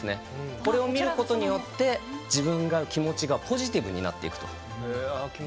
これを見ることによって自分の気持ちがポジティブになっていくと。